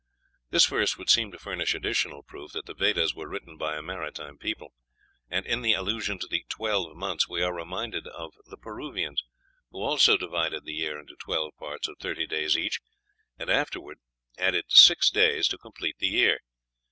This verse would seem to furnish additional proof that the Vedas were written by a maritime people; and in the allusion to the twelve months we are reminded of the Peruvians, who also divided the year into twelve parts of thirty days each, and afterward added six days to complete the year.